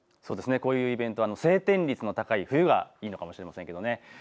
こういうイベント、晴天率の高い冬はいいのかもしれませんけどね。